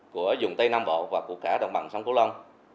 của dùng tây nam bộ và của cả đồng bằng sông cửu long